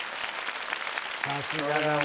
さすがだね